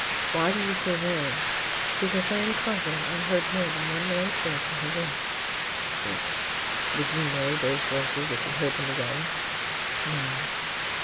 "Why do you say they?" "Because I am confident I heard more than one man's voice in her room." "Humph! Would you know those voices if you heard them again?" "No."